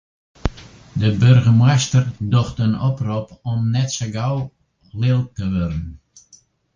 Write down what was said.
De boargemaster docht in oprop om net sa gau lilk te wurden.